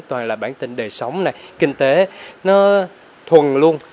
toàn là bản tin đề sóng này kinh tế nó thuần luôn